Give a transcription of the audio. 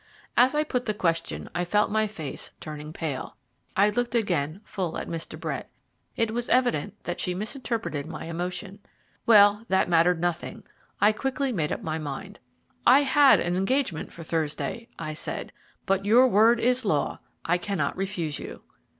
As I put the question I felt my face turning pale. I looked again full at Miss de Brett. It was evident that she misinterpreted my emotion. Well, that mattered nothing. I quickly made up my mind. "I had an engagement for Thursday," I said, "but your word is law I cannot refuse you."